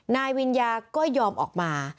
นายวิญญาก็ยอมออกมา